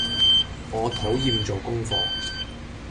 我討厭做功課